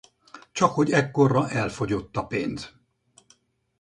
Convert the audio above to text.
Csakhogy ekkorra elfogyott a pénz.